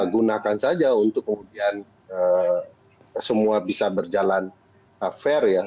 gunakan saja untuk kemudian semua bisa berjalan fair ya